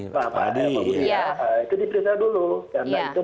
nah itu diperiksa dulu karena itu